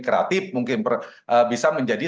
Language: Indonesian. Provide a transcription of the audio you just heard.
kreatif mungkin bisa menjadi